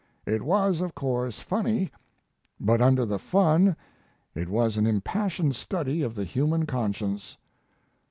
It was, of course, funny; but under the fun it was an impassioned study of the human conscience.